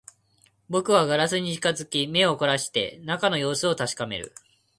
僕はガラスに近づき、目を凝らして中の様子を確かめる